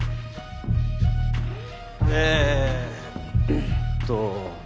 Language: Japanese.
えっと。